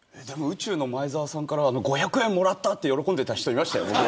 でも、宇宙の前澤さんから５００円もらったって喜んでた人いましたよ。